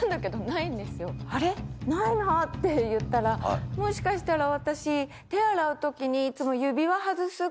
「あれ？ないな」って言ったら「もしかしたら私」。